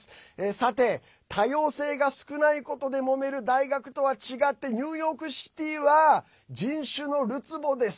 さて、多様性が少ないことでもめる大学とは違ってニューヨークシティーは人種のるつぼです。